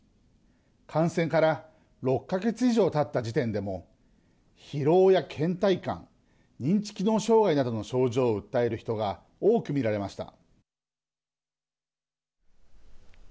感染から６か月以上たった時点でも疲労や、けん怠感認知機能障害などの症状を訴える人が多く見られました。